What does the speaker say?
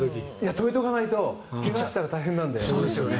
止めておかないと怪我したら大変なので。